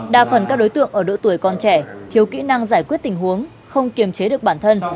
đa phần các đối tượng ở độ tuổi còn trẻ thiếu kỹ năng giải quyết tình huống không kiềm chế được bản thân